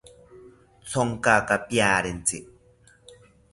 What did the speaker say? Thonkaka piarentzi